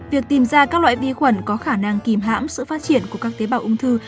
việc tìm ra các loại vi khuẩn có khả năng kìm hãm sự phát triển của các tế bào ung thư